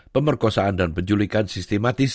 pemerkosaan dan penjulikan sistematis